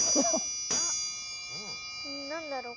何だろう？